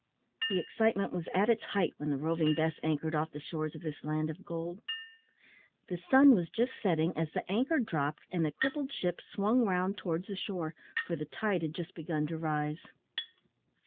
The excitement was at its height when the Roving Bess anchored off the shores of this land of gold. The sun was just setting as the anchor dropped, and the crippled ship swung round towards the shore, for the tide had just begun to rise.